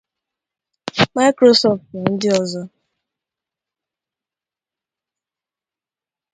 Microsoft na ndị ọzọ